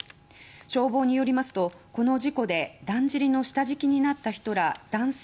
消防によりますとこの事故でだんじりの下敷きになった人ら男性